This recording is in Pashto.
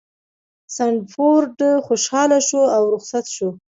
سنډفورډ خوشحاله شو او رخصت شو.